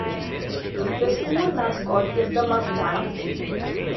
The school mascot is the Mustangs.